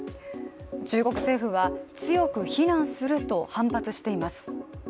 中国政府は、強く非難すると反発しています。